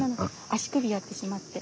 足首やってしまって。